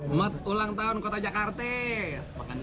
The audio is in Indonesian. umat ulang tahun kota jakarta